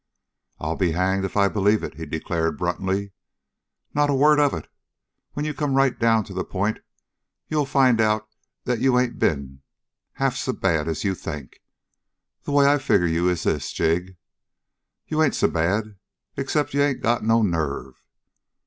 "I'll be hanged if I believe it," he declared bluntly. "Not a word of it! When you come right down to the point you'll find out that you ain't been half so bad as you think. The way I figure you is this, Jig. You ain't so bad, except that you ain't got no nerve.